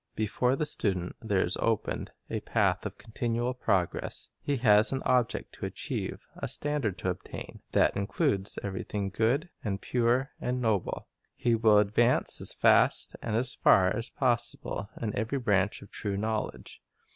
Before the student there is opened a path of continual progress. He has an object to achieve, a standard to attain, that includes everything good, and pure, and noble. He will advance as fast and as far as possible in every branch of true knowledge.